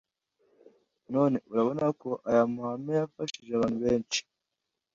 none urabona ko aya mahema yafashije abantu benshi